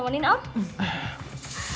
ibu menjual kamu juga